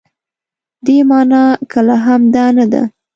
دې مانا کله هم دا نه ده.